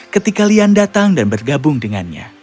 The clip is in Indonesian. ketika lian datang dan bergabung dengannya